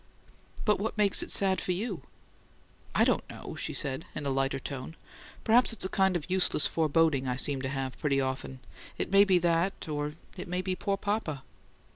"But what makes it sad for YOU?" "I don't know," she said, in a lighter tone. "Perhaps it's a kind of useless foreboding I seem to have pretty often. It may be that or it may be poor papa."